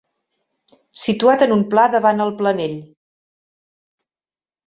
Situat en un pla davant el Planell.